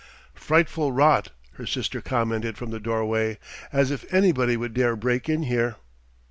"Frightful rot," her sister commented from the doorway. "As if anybody would dare break in here."